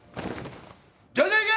出ていけ！